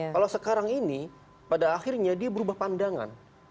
kalau sekarang ini pada akhirnya dia berubah pandangan